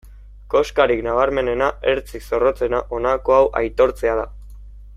Koskarik nabarmenena, ertzik zorrotzena, honako hau aitortzea da.